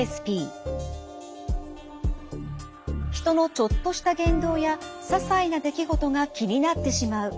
人のちょっとした言動やささいな出来事が気になってしまう